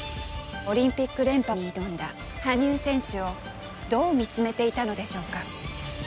オリンピック連覇に挑んだ羽生選手をどう見つめていたのでしょうか。